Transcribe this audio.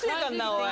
おい‼